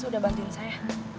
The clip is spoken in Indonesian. udah bantuin saya